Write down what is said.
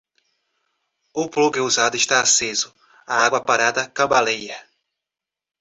O plugue usado está aceso, a água parada cambaleia.